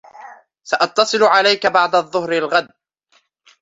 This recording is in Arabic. سأتصل عليك بعد ظهر الغد.